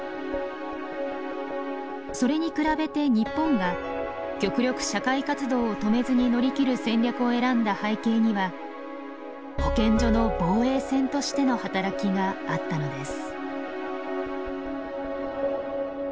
それに比べて日本が極力社会活動を止めずに乗り切る戦略を選んだ背景には保健所の防衛線としての働きがあったのです。